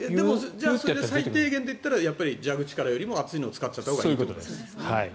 じゃあそれで最低限と言ったら蛇口からよりも熱いのを使ったほうがいいと。